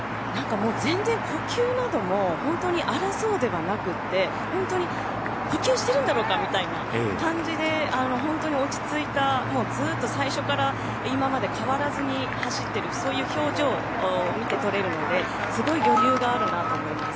もう全然呼吸なども本当に荒らそうではなくって本当に呼吸してるんだろうかみたいな感じでほんとに落ち着いたずっと最初から今まで変わらずに走ってるそういう表情を見て取れるのですごい余裕があるなと思います。